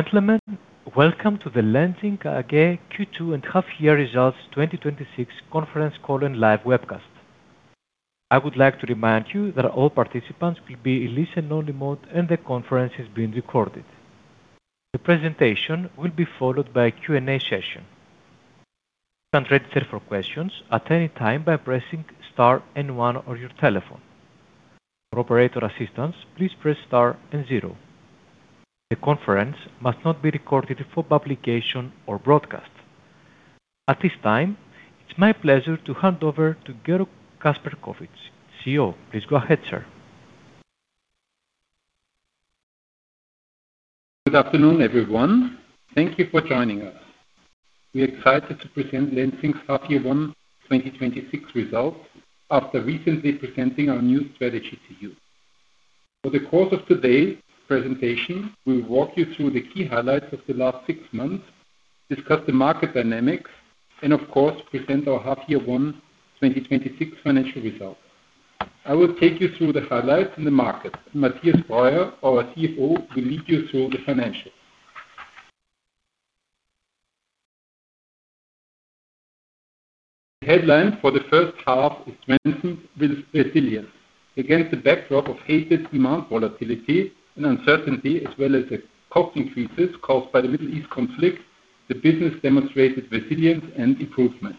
Gentlemen, welcome to the Lenzing AG Q2 and Half Year Results 2026 conference call and live webcast. I would like to remind you that all participants will be in listen only mode and the conference is being recorded. The presentation will be followed by a Q&A session. You can register for questions at any time by pressing star and one on your telephone. For operator assistance, please press star and zero. The conference must not be recorded for publication or broadcast. At this time, it's my pleasure to hand over to Georg Kasperkovitz, CEO. Please go ahead, sir. Good afternoon, everyone. Thank you for joining us. We're excited to present Lenzing's half year one 2026 results after recently presenting our new strategy to you. Over the course of today's presentation, we'll walk you through the key highlights of the last six months, discuss the market dynamics, and of course, present our half year one 2026 financial results. I will take you through the highlights in the market. Mathias Breuer, our CFO, will lead you through the financials. The headline for the first half is Lenzing resilience. Against the backdrop of heated demand volatility and uncertainty as well as the cost increases caused by the Middle East conflict, the business demonstrated resilience and improvement.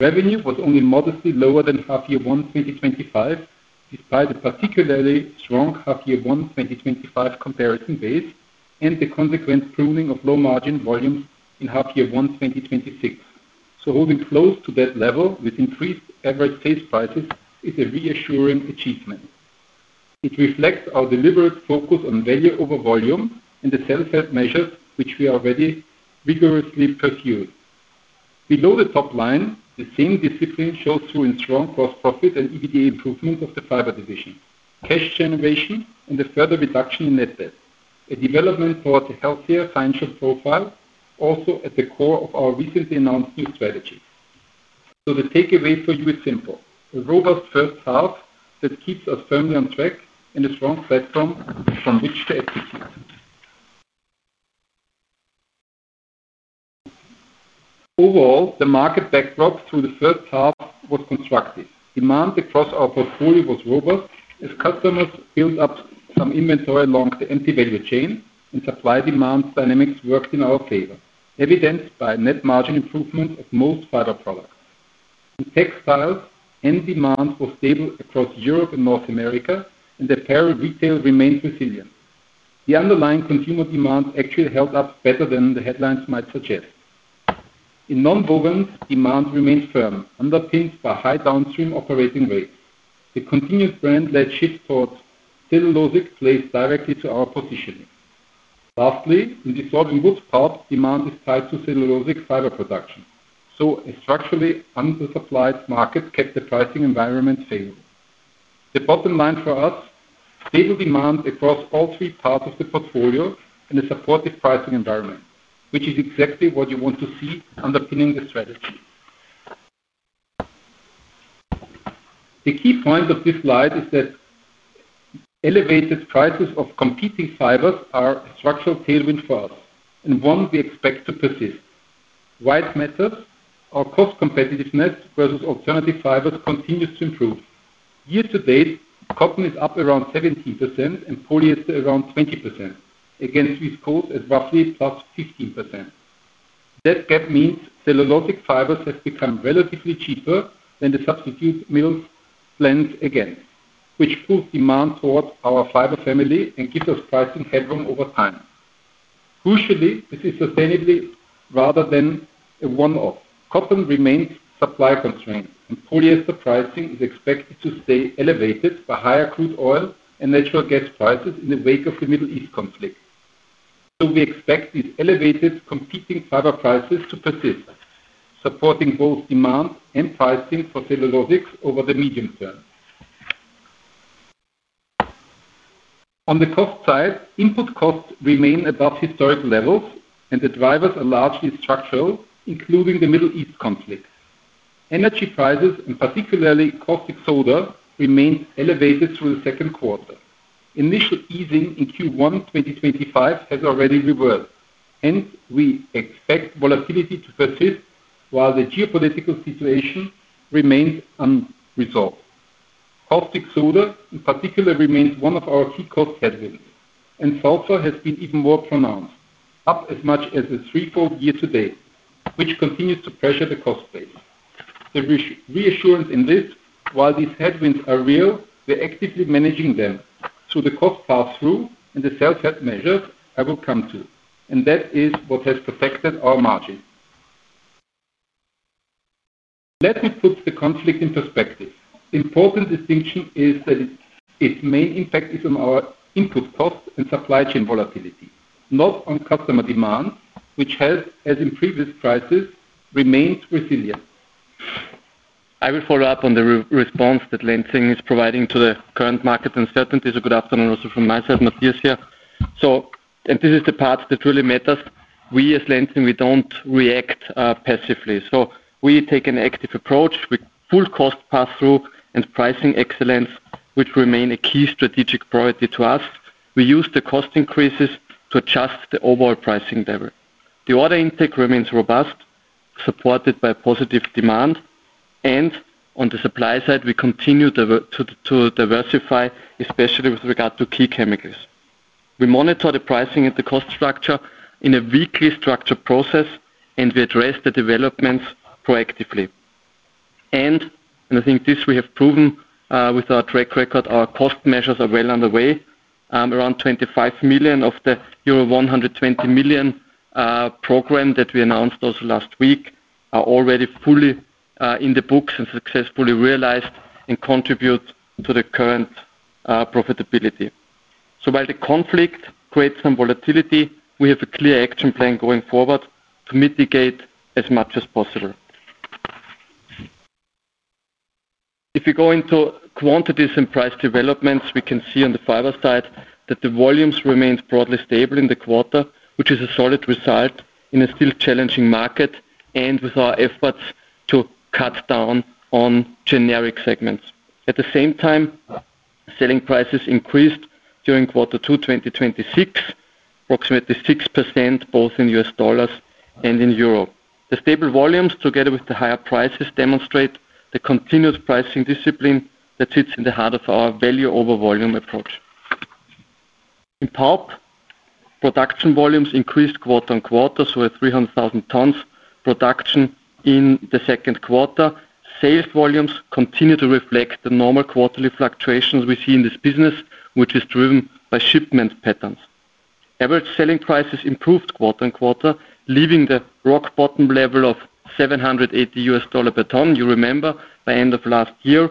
Revenue was only modestly lower than half year one 2025, despite a particularly strong half year one 2025 comparison base and the consequent pruning of low margin volumes in half year one 2026. Holding close to that level with increased average sales prices is a reassuring achievement. It reflects our deliberate focus on value over volume and the self-help measures, which we already vigorously pursue. Below the top line, the same discipline shows through in strong gross profit and EBITDA improvement of the fiber division, cash generation, and a further reduction in net debt, a development towards a healthier financial profile, also at the core of our recently announced new strategy. The takeaway for you is simple: a robust first half that keeps us firmly on track and a strong platform from which to execute. Overall, the market backdrop through the first half was constructive. Demand across our portfolio was robust as customers built up some inventory along the empty value chain, and supply demand dynamics worked in our favor, evidenced by net margin improvement of most fiber products. In textiles, end demand was stable across Europe and North America, and apparel retail remained resilient. The underlying consumer demand actually held up better than the headlines might suggest. In nonwovens, demand remains firm, underpinned by high downstream operating rates. The continued brand-led shift towards cellulosic plays directly to our positioning. Lastly, in the [sawing wood part], demand is tied to cellulosic fiber production. A structurally undersupplied market kept the pricing environment favorable. The bottom line for us, stable demand across all three parts of the portfolio and a supportive pricing environment, which is exactly what you want to see underpinning the strategy. The key point of this slide is that elevated prices of competing fibers are a structural tailwind for us, and one we expect to persist. Why it matters, our cost competitiveness versus alternative fibers continues to improve. Year-to-date, cotton is up around 17% and polyester around 20%, against viscose at roughly +15%. That gap means cellulosic fibers have become relatively cheaper than the substitutes' prices, which pulls demand towards our fiber family and gives us pricing headroom over time. Crucially, this is sustainably rather than a one-off. Cotton remains supply constrained and polyester pricing is expected to stay elevated by higher crude oil and natural gas prices in the wake of the Middle East conflict. We expect these elevated competing fiber prices to persist, supporting both demand and pricing for cellulosics over the medium term. On the cost side, input costs remain above historic levels, the drivers are largely structural, including the Middle East conflict. Energy prices, particularly caustic soda, remain elevated through the second quarter. Initial easing in Q1 2025 has already reversed. We expect volatility to persist while the geopolitical situation remains unresolved. Caustic soda, in particular, remains one of our key cost headwinds, sulfur has been even more pronounced, up as much as a threefold year-to-date, which continues to pressure the cost base. The reassurance in this, while these headwinds are real, we're actively managing them through the cost pass-through and the self-help measures I will come to, that is what has protected our margin. Let me put the conflict in perspective. Important distinction is that its main impact is on our input cost and supply chain volatility, not on customer demand, which has, as in previous crises, remained resilient. I will follow up on the response that Lenzing is providing to the current market uncertainties. Good afternoon also from my side. Mathias here. This is the part that really matters. We as Lenzing, we don't react passively. We take an active approach with full cost passthrough and pricing excellence, which remain a key strategic priority to us. We use the cost increases to adjust the overall pricing level. The order intake remains robust, supported by positive demand. On the supply side, we continue to diversify, especially with regard to key chemicals. We monitor the pricing and the cost structure in a weekly structure process, we address the developments proactively. I think this we have proven with our track record, our cost measures are well underway. Around 25 million of the euro 120 million program that we announced also last week are already fully in the books and successfully realized and contribute to the current profitability. While the conflict creates some volatility, we have a clear action plan going forward to mitigate as much as possible. If you go into quantities and price developments, we can see on the fiber side that the volumes remained broadly stable in the quarter, which is a solid result in a still challenging market and with our efforts to cut down on generic segments. At the same time, selling prices increased during quarter two 2026, approximately 6% both in U.S. dollars and in euro. The stable volumes together with the higher prices demonstrate the continuous pricing discipline that sits in the heart of our value over volume approach. In pulp, production volumes increased quarter on quarter, so at 300,000 tons production in the second quarter. Sales volumes continue to reflect the normal quarterly fluctuations we see in this business, which is driven by shipment patterns. Average selling prices improved quarter-on-quarter, leaving the rock bottom level of $780 per ton, you remember by end of last year,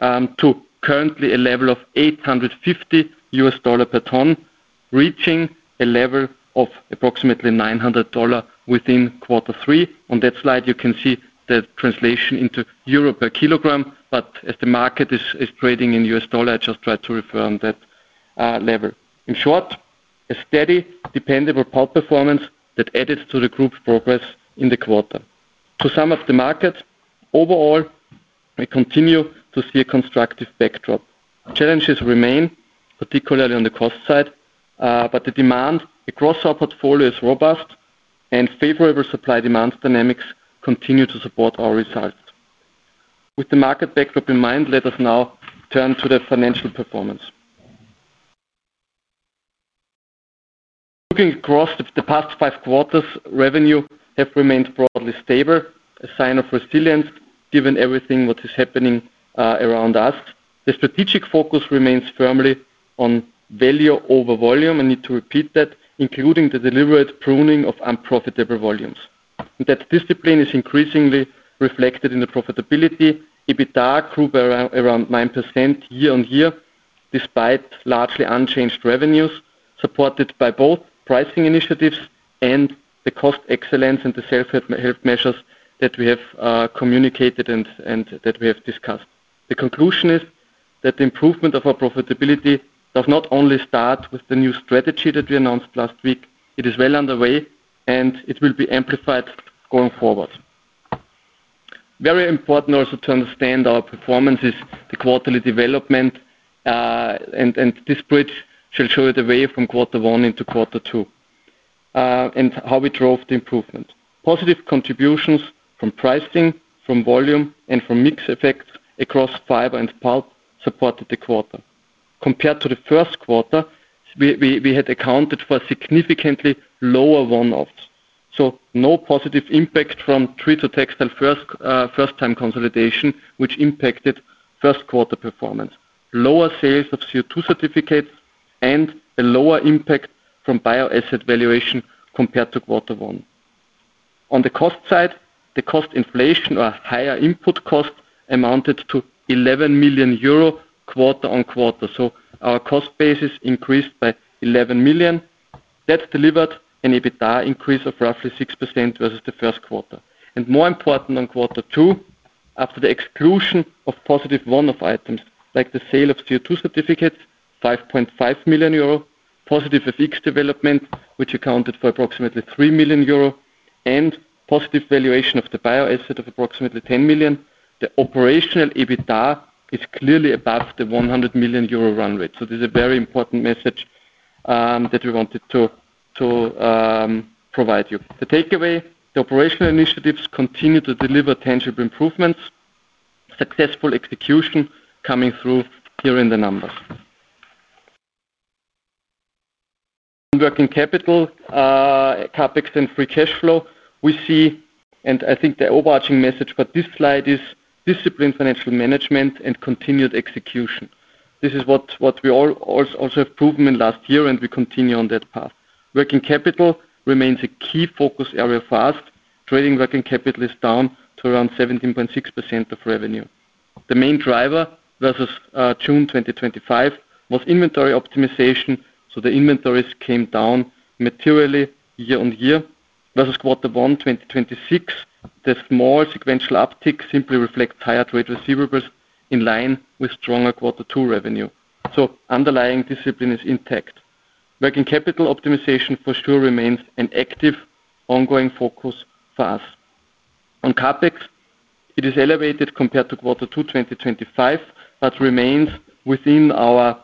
to currently a level of $850 per ton, reaching a level of approximately $900 within quarter three. On that slide, you can see the translation into euro per kilogram, but as the market is trading in U.S. dollar, I just try to refer on that level. In short, a steady, dependable pulp performance that added to the group's progress in the quarter. To some of the markets, overall, we continue to see a constructive backdrop. Challenges remain, particularly on the cost side, but the demand across our portfolio is robust and favorable supply-demand dynamics continue to support our results. With the market backdrop in mind, let us now turn to the financial performance. Looking across the past five quarters, revenue have remained broadly stable, a sign of resilience given everything what is happening around us. The strategic focus remains firmly on value over volume. I need to repeat that, including the deliberate pruning of unprofitable volumes. That discipline is increasingly reflected in the profitability. EBITDA grew by around 9% year-over-year, despite largely unchanged revenues, supported by both pricing initiatives and the cost excellence and the self-help measures that we have communicated and that we have discussed. The conclusion is that the improvement of our profitability does not only start with the new strategy that we announced last week, it is well underway and it will be amplified going forward. Very important also to understand our performance is the quarterly development, and this bridge should show the way from quarter one into quarter two, and how we drove the improvement. Positive contributions from pricing, from volume, and from mix effects across fiber and pulp supported the quarter. Compared to the first quarter, we had accounted for significantly lower one-offs. No positive impact from TreeToTextile first-time consolidation, which impacted first quarter performance. Lower sales of CO2 certificates and a lower impact from biological asset valuation compared to quarter one. On the cost side, the cost inflation or higher input cost amounted to 11 million euro quarter-over-quarter. Our cost base is increased by 11 million. That delivered an EBITDA increase of roughly 6% versus the first quarter. More important on quarter two, after the exclusion of positive one-off items like the sale of CO2 certificates, 5.5 million euro, positive FX development, which accounted for approximately 3 million euro, and positive valuation of the biological asset of approximately 10 million, the operational EBITDA is clearly above the 100 million euro run rate. This is a very important message that we wanted to provide you. The takeaway, the operational initiatives continue to deliver tangible improvements, successful execution coming through here in the numbers. Working capital, CapEx and free cash flow, we see, and I think the overarching message for this slide is disciplined financial management and continued execution. This is what we all also have proven in last year and we continue on that path. Working capital remains a key focus area for us. Trading working capital is down to around 17.6% of revenue. The main driver versus June 2025 was inventory optimization. The inventories came down materially year-on-year versus quarter one 2026. The small sequential uptick simply reflects higher trade receivables in line with stronger quarter two revenue. Underlying discipline is intact. Working capital optimization for sure remains an active, ongoing focus for us. On CapEx, it is elevated compared to quarter two 2025, but remains within our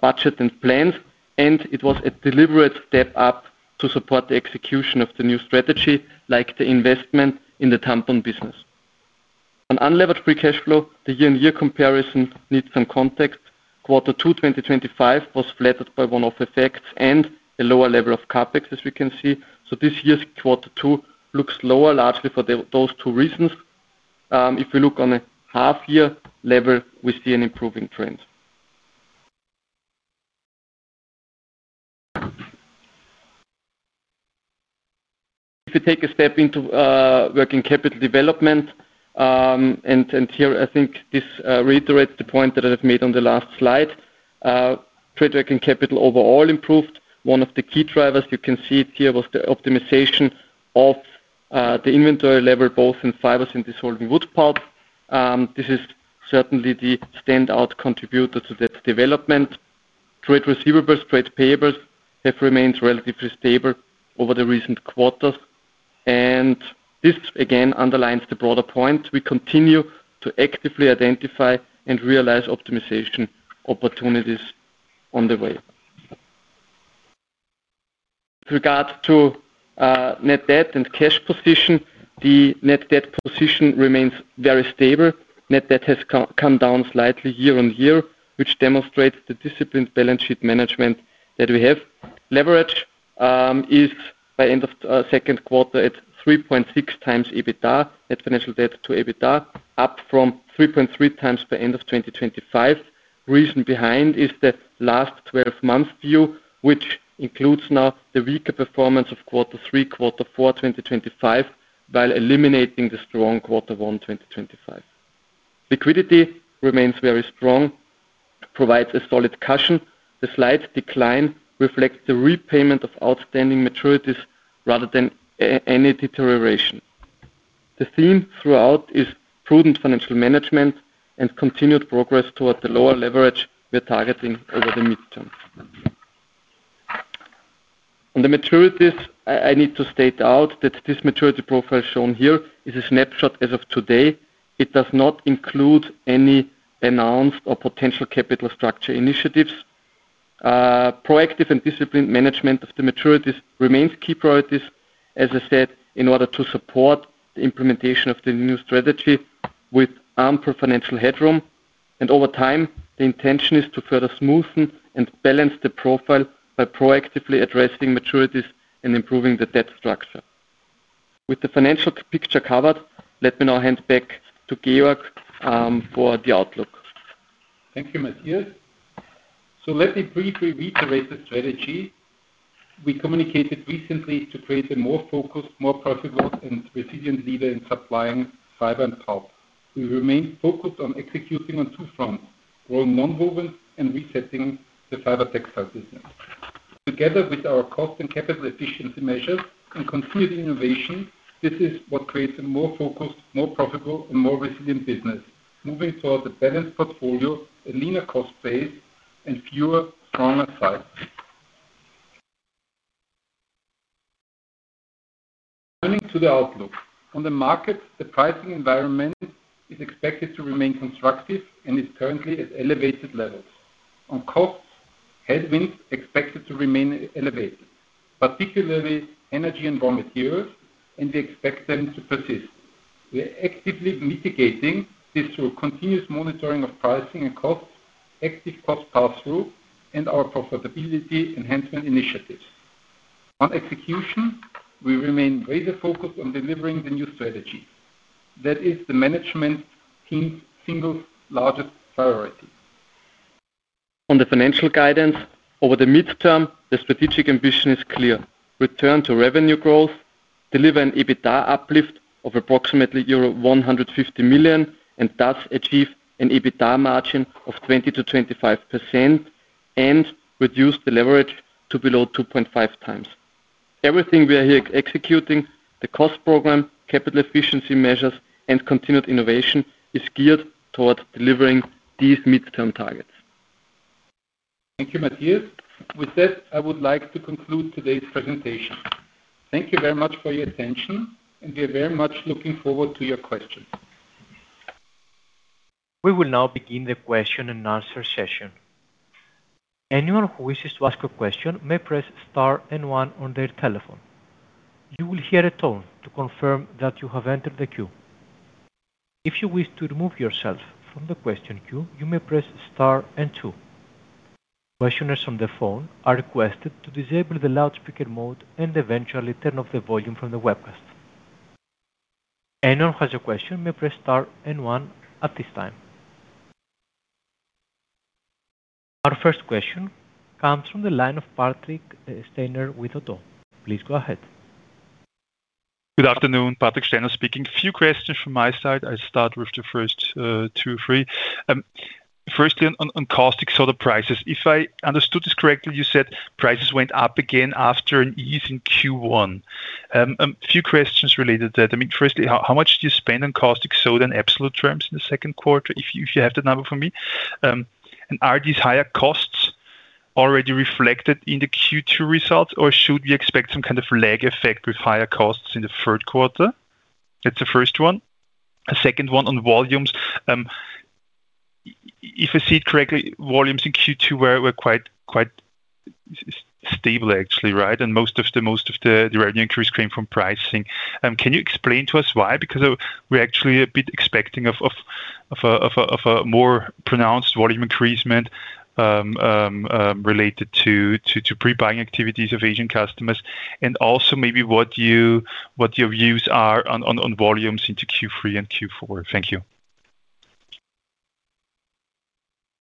budget and plans. It was a deliberate step up to support the execution of the new strategy, like the investment in the tampon business. On unlevered free cash flow, the year-on-year comparison needs some context. Quarter two 2025 was flattered by one-off effects and a lower level of CapEx, as we can see. This year's quarter two looks lower, largely for those two reasons. If we look on a half-year level, we see an improving trend. If you take a step into working capital development, here I think this reiterates the point that I have made on the last slide. Trade working capital overall improved. One of the key drivers you can see it here was the optimization of the inventory level, both in fibers and dissolving wood pulp. This is certainly the standout contributor to that development. Trade receivables, trade payables have remained relatively stable over the recent quarters. This again underlines the broader point. We continue to actively identify and realize optimization opportunities on the way. With regards to net debt and cash position, the net debt position remains very stable. Net debt has come down slightly year-on-year, which demonstrates the disciplined balance sheet management that we have. Leverage is by end of second quarter at 3.6x EBITDA, net financial debt to EBITDA, up from 3.3x by end of 2025. Reason behind is that last 12-months view, which includes now the weaker performance of quarter three, quarter four, 2025, while eliminating the strong quarter one 2025. Liquidity remains very strong, provides a solid cushion. The slight decline reflects the repayment of outstanding maturities rather than any deterioration. The theme throughout is prudent financial management and continued progress towards the lower leverage we're targeting over the midterm. On the maturities, I need to state out that this maturity profile shown here is a snapshot as of today. It does not include any announced or potential capital structure initiatives. Proactive and disciplined management of the maturities remains key priorities, as I said, in order to support the implementation of the new strategy with ample financial headroom. Over time, the intention is to further smoothen and balance the profile by proactively addressing maturities and improving the debt structure. With the financial picture covered, let me now hand back to Georg for the outlook. Thank you, Mathias. Let me briefly reiterate the strategy. We communicated recently to create a more focused, more profitable, and resilient leader in supplying fiber and pulp. We remain focused on executing on two fronts, growing nonwovens and resetting the fiber textile business. Together with our cost and capital efficiency measures and continued innovation, this is what creates a more focused, more profitable, and more resilient business, moving towards a balanced portfolio, a leaner cost base, and fewer, stronger sites. Turning to the outlook. On the market, the pricing environment is expected to remain constructive and is currently at elevated levels. On costs, headwinds expected to remain elevated, particularly energy and raw materials, and we expect them to persist. We are actively mitigating this through continuous monitoring of pricing and costs, active cost passthrough, and our profitability enhancement initiatives. On execution, we remain laser-focused on delivering the new strategy. That is the management team's single largest priority. On the financial guidance, over the midterm, the strategic ambition is clear. Return to revenue growth, deliver an EBITDA uplift of approximately euro 150 million and thus achieve an EBITDA margin of 20%-25%, and reduce the leverage to below 2.5x. Everything we are here executing, the cost program, capital efficiency measures, and continued innovation, is geared towards delivering these midterm targets. Thank you, Mathias. With that, I would like to conclude today's presentation. Thank you very much for your attention, and we are very much looking forward to your questions. We will now begin the question and answer session. Anyone who wishes to ask a question may press star and one on their telephone. You will hear a tone to confirm that you have entered the queue. If you wish to remove yourself from the question queue, you may press star and two. Questioners on the phone are requested to disable the loudspeaker mode and eventually turn off the volume from the webcast. Anyone who has a question may press star and one at this time. Our first question comes from the line of Patrick Steiner with ODDO. Please go ahead. Good afternoon, Patrick Steiner speaking. Few questions from my side. I start with the first two or three. Firstly, on caustic soda prices. If I understood this correctly, you said prices went up again after an ease in Q1. A few questions related to that. Firstly, how much do you spend on caustic soda in absolute terms in the second quarter, if you have that number for me? Are these higher costs already reflected in the Q2 results, or should we expect some kind of lag effect with higher costs in the third quarter? That's the first one. A second one on volumes. If I see it correctly, volumes in Q2 were quite stable actually, right? Most of the revenue increase came from pricing. Can you explain to us why? We're actually a bit expecting of a more pronounced volume increasement related to pre-buying activities of Asian customers, and also maybe what your views are on volumes into Q3 and Q4. Thank you.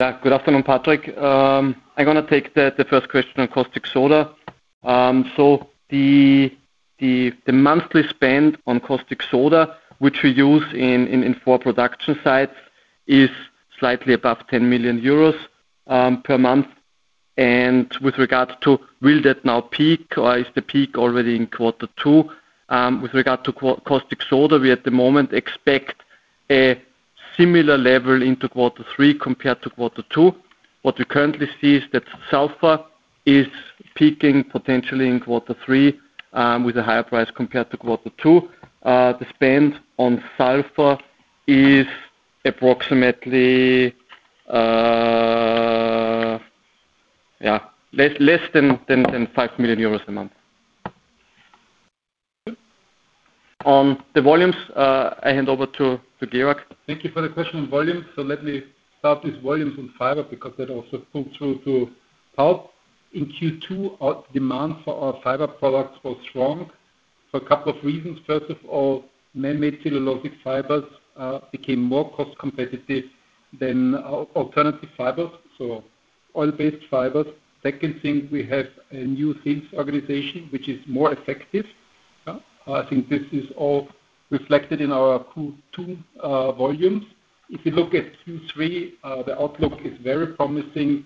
Good afternoon, Patrick. I'm going to take the first question on caustic soda. The monthly spend on caustic soda, which we use in four production sites, is slightly above 10 million euros per month. With regard to will that now peak or is the peak already in quarter two, with regard to caustic soda, we at the moment expect a similar level into quarter three compared to quarter two. What we currently see is that sulfur is peaking potentially in quarter three with a higher price compared to quarter two. The spend on sulfur is approximately less than 5 million euros a month. On the volumes, I hand over to Georg. Thank you for the question on volume. Let me start with volumes on fiber, because that also pulls through to pulp. In Q2, demand for our fiber products was strong for a couple of reasons. First of all, man-made cellulosic fibers became more cost competitive than alternative fibers, oil-based fibers. Second thing, we have a new sales organization, which is more effective. I think this is all reflected in our Q2 volumes. If you look at Q3, the outlook is very promising,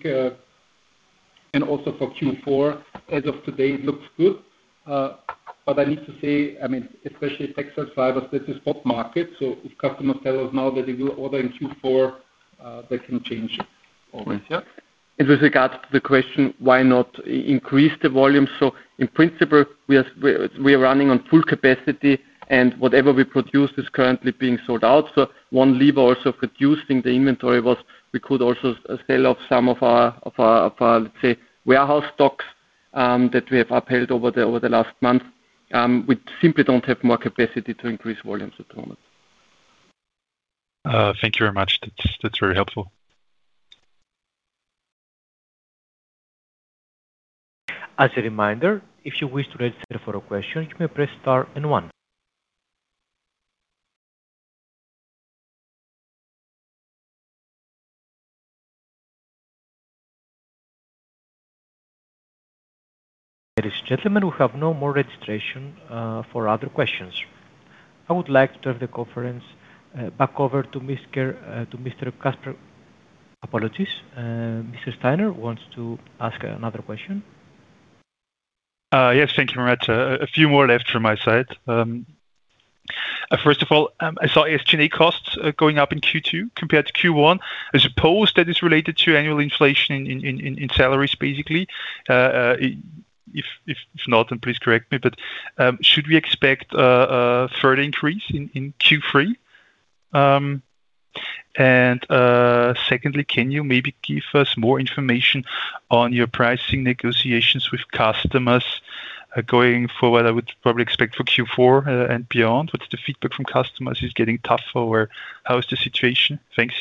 and also for Q4, as of today, it looks good. I need to say, especially textile fibers, this is a spot market, so if customers tell us now that they will order in Q4, that can change always. Yeah. With regards to the question, why not increase the volume? In principle, we are running on full capacity, and whatever we produce is currently being sold out. One lever also of reducing the inventory was we could also sell off some of our, let's say, warehouse stocks that we have upheld over the last month. We simply don't have more capacity to increase volumes at the moment. Thank you very much. That's very helpful. As a reminder, if you wish to register for a question, you may press star and one. Ladies and gentlemen, we have no more registration for other questions. I would like to turn the conference back over to Mr. Kasper. Apologies, Mr. Steiner wants to ask another question. Yes, thank you very much. A few more left from my side. First of all, I saw SG&A costs going up in Q2 compared to Q1. I suppose that is related to annual inflation in salaries, basically. If not, please correct me, but should we expect a further increase in Q3? Secondly, can you maybe give us more information on your pricing negotiations with customers going forward? I would probably expect for Q4 and beyond. What's the feedback from customers? Is it getting tougher, or how is the situation? Thanks.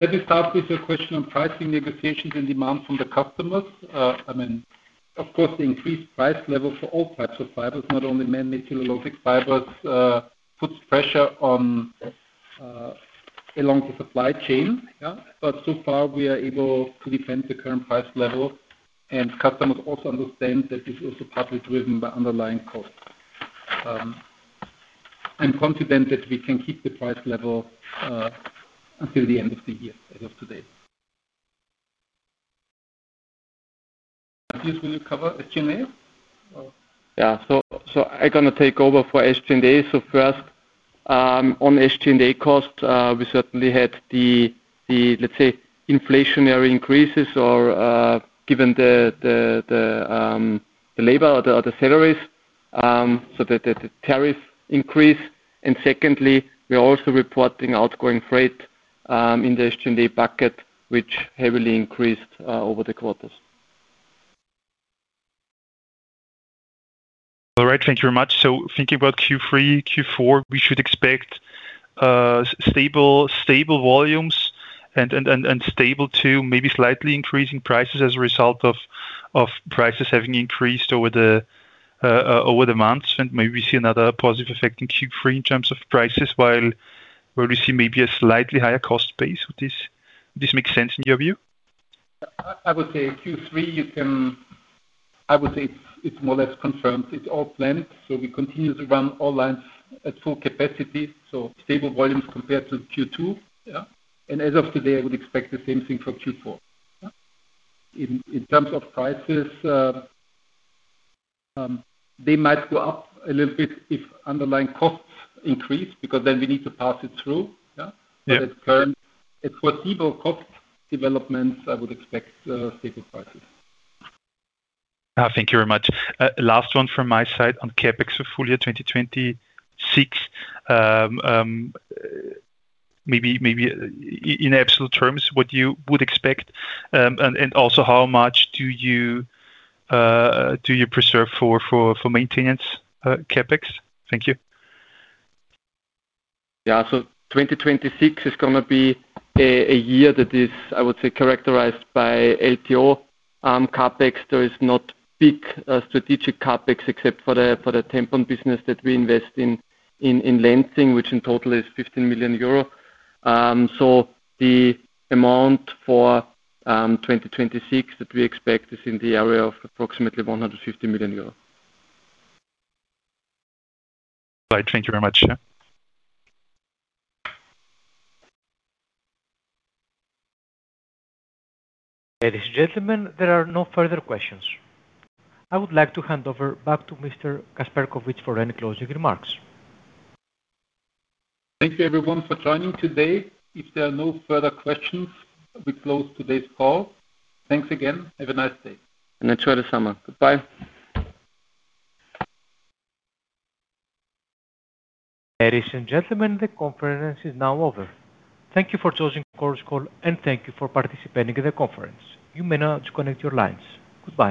Let me start with your question on pricing negotiations and demand from the customers. Of course, the increased price level for all types of fibers, not only man-made cellulosic fibers, puts pressure along the supply chain. So far, we are able to defend the current price level, and customers also understand that this is partly driven by underlying costs. I'm confident that we can keep the price level until the end of the year, as of today. Mathias, will you cover SG&A? Yeah. I'm going to take over for SG&A. First, on SG&A costs, we certainly had the, let's say, inflationary increases or given the labor or the salaries, so the tariff increase. Secondly, we are also reporting outgoing freight in the SG&A bucket, which heavily increased over the quarters. All right, thank you very much. Thinking about Q3, Q4, we should expect stable volumes and stable to maybe slightly increasing prices as a result of prices having increased over the months, and maybe we see another positive effect in Q3 in terms of prices, while we see maybe a slightly higher cost base. Would this make sense in your view? Q3, I would say it's more or less confirmed. It's all planned. We continue to run all lines at full capacity, so stable volumes compared to Q2. Yeah. As of today, I would expect the same thing for Q4. Yeah. In terms of prices, they might go up a little bit if underlying costs increase, because then we need to pass it through. Yeah. At foreseeable cost developments, I would expect stable prices. Thank you very much. Last one from my side on CapEx for full-year 2026. Maybe in absolute terms, what you would expect, and also how much do you preserve for maintenance CapEx? Thank you. Yeah. 2026 is going to be a year that is, I would say, characterized by LTO CapEx There is no big strategic CapEx except for the tampon business that we invest in Lenzing, which in total is 15 million euro. The amount for 2026 that we expect is in the area of approximately 150 million euros. Right. Thank you very much. Yeah. Ladies and gentlemen, there are no further questions. I would like to hand over back to Mr. Kasperkovitz for any closing remarks. Thank you everyone for joining today. If there are no further questions, we close today's call. Thanks again. Have a nice day. Enjoy the summer. Goodbye. Ladies and gentlemen, the conference is now over. Thank you for choosing Chorus Call, and thank you for participating in the conference. You may now disconnect your lines. Goodbye.